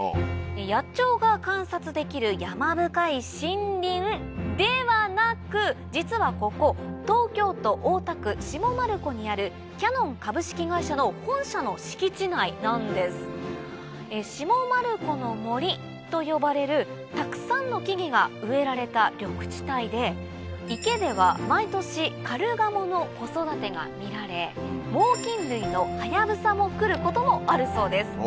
野鳥が観察できる山深い森林ではなく実はここ東京都大田区下丸子にあるキヤノン株式会社の本社の敷地内なんです下丸子の森と呼ばれるたくさんの木々が植えられた緑地帯で池では毎年カルガモの子育てが見られ猛禽類のハヤブサも来ることもあるそうです